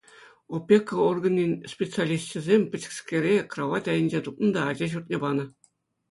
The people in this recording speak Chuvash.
Опека органӗн специалисчӗсем пӗчӗкскере кравать айӗнче тупнӑ та ача ҫуртне панӑ.